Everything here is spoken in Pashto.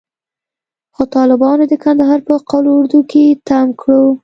خو طالبانو د کندهار په قول اردو کښې تم کړو.